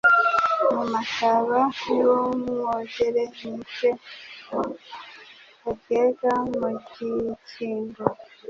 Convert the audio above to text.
Mu mataba y'u Mwogere nishe karyega mu gikingo